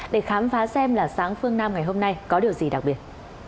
để khám phá xem là sáng phương nam ngày hôm nay có điều gì đặc biệt